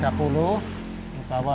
tiga puluh bawa dua lima ke sana